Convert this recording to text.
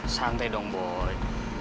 santai dong boy